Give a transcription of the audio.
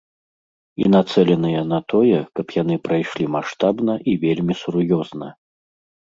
І нацэленыя на тое, каб яны прайшлі маштабна і вельмі сур'ёзна.